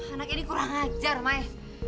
anak ini kurang ajar mai